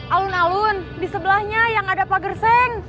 alun alun disebelahnya yang ada pak gerseng